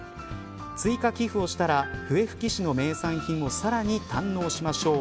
追加寄付をしたら笛吹市の名産品をさらに堪能しましょう。